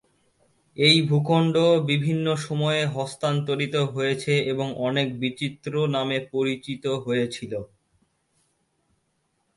এই ভূখণ্ড বিভিন্ন সময়ে হস্তান্তরিত হয়েছে এবং অনেক বিচিত্র নামে পরিচিত হয়েছিল।